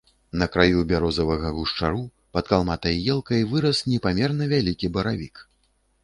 На краю бярозавага гушчару, пад калматай елкай, вырас непамерна вялікі баравік.